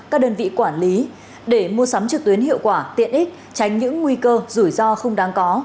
các đơn vị quản lý để mua sắm trực tuyến hiệu quả tiện ích tránh những nguy cơ rủi ro không đáng có